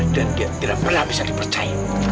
dan dia tidak pernah bisa dipercaya